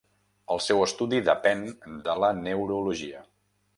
El seu estudi depèn de la neurologia.